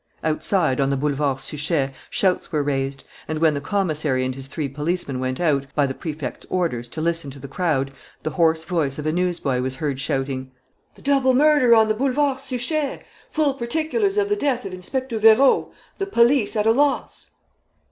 Outside, on the Boulevard Suchet, shouts were raised; and, when the commissary and his three policemen went out, by the Prefect's orders, to listen to the crowd, the hoarse voice of a newsboy was heard shouting: "The double murder on the Boulevard Suchet! Full particulars of the death of Inspector Vérot! The police at a loss!